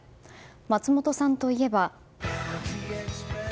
松本さんといえば。